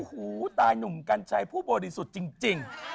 หูตายหนุ่มกัญชัยผู้บริสุทธิ์จริง